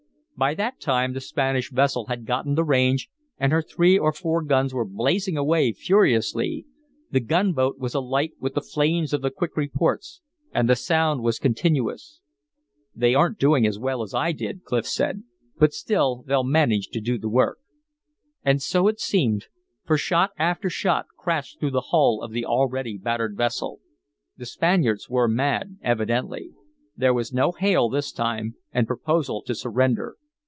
By that time the Spanish vessel had gotten the range, and her three or four guns were blazing away furiously. The gunboat was alight with the flames of the quick reports, and the sound was continuous. "They aren't doing as well as I did," Clif said. "But still, they'll manage to do the work." And so it seemed, for shot after shot crashed through the hull of the already battered vessel. The Spaniards were mad, evidently. There was no hail this time and proposal to surrender.